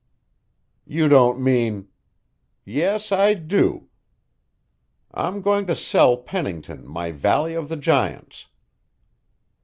"You don't mean " "Yes, I do. I'm going to sell Pennington my Valley of the Giants.